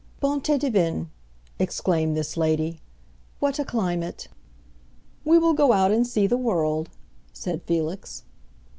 "Bonté divine," exclaimed this lady, "what a climate!" "We will go out and see the world," said Felix.